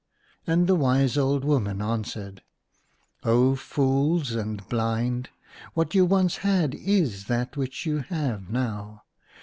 And the wise old woman answered, " O fools and blind ! What you once had is that which you have now